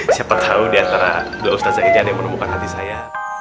siapa tahu diantara the ustazah ini ada yang menemukan hati saya